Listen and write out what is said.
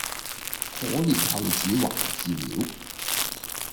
可憐後主還祠廟，